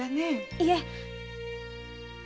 いえ。